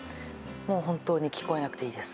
「本当に聞こえなくていいです」